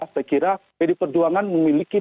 saya kira pd perjuangan memiliki